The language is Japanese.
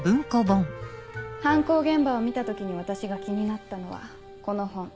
犯行現場を見た時に私が気になったのはこの本。